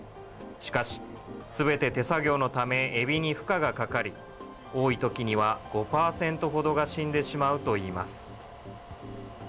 しかし、すべて手作業のため、エビに負荷がかかり、多いときには５％ほどが死んでしまうといいます。